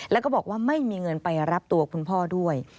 แล้วก็บอกว่าไม่มีเงินไปรับตัวคุณพ่อด้วย